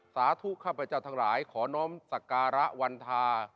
สาธุข้าพเจ้าทั้งหลายขอน้อมสการะวันทา